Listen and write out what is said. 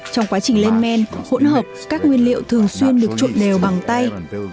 trong quá trình lên men hỗn hợp các nguyên liệu thường xuyên được trộn đều bằng tay